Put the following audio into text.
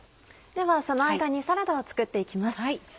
ではその間にサラダを作って行きます。